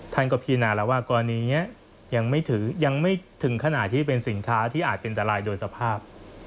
ท่านก็พิจารณาแล้วว่าก่อนนี้ยังไม่ถึงขนาดที่เป็นสินค้าที่อาจเป็นอันตรายโดยสภาพ